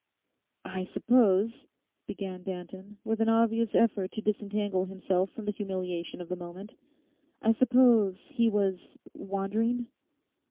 'I suppose,' began Danton, with an obvious effort to disentangle himself from the humiliation of the moment, 'I suppose he was—wandering?